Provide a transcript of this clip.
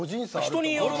人による。